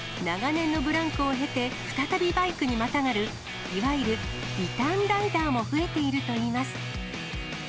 長年のブランクを経て、再びバイクにまたがる、いわゆるリターンライダーも増えているといいます。